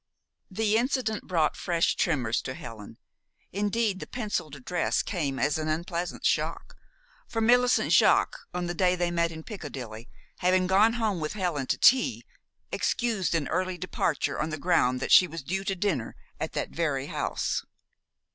The incident brought fresh tremors to Helen. Indeed, the penciled address came as an unpleasant shock; for Millicent Jaques, on the day they met in Piccadilly, having gone home with Helen to tea, excused an early departure on the ground that she was due to dinner at that very house.